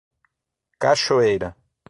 Cachoeira